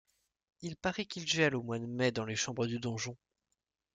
Il paraît qu’il gèle au mois de mai dans les chambres du donjon...